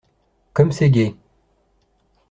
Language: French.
Comme c'est gai !